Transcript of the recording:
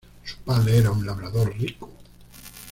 Su padre era un labrador rico.